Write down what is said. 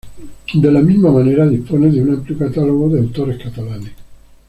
De la misma manera, dispone de un amplio catálogo de autores catalanes.